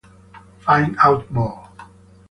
Find Out More!